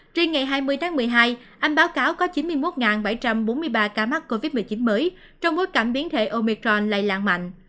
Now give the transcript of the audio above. trên ngày hai mươi tháng một mươi hai anh báo cáo có chín mươi một bảy trăm bốn mươi ba ca mắc covid một mươi chín mới trong bối cảnh biến thể omicron lây lan mạnh